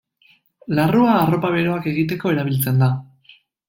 Larrua arropa beroak egiteko erabiltzen da.